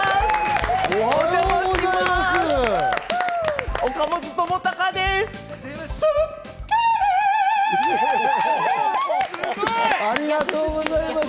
お邪魔します。